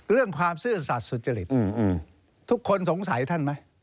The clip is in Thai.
เรื่องความซื่อสัตว์สุจริตทุกคนสงสัยท่านไหม